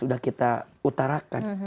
sudah kita utarakan